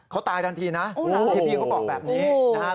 เขาตายทันทีนะพี่เขาบอกแบบนี้นะครับ